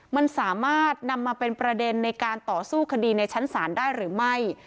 มันสามารถนำมาเป็นประเด็นในการต่อสู้คดีในชั้นศาลได้หรือไม่